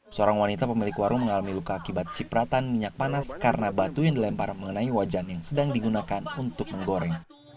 seorang wanita pemilik warung mengalami luka akibat cipratan minyak panas karena batu yang dilempar mengenai wajan yang sedang digunakan untuk menggoreng